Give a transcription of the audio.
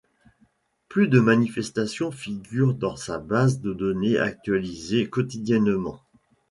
Plus de manifestations figurent dans sa base de données actualisée quotidiennement.